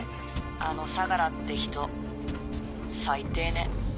あの相良って人最低ね。